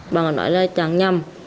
bà nói là chẳng nhầm